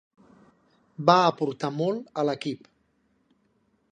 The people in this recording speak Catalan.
Va aportar molt a l'equip.